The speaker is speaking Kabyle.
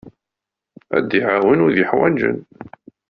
Ad iɛawen wid yeḥwaǧen.